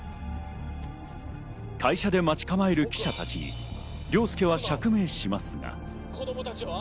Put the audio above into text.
会社で待ち構える記者たちに凌介は釈明しますが。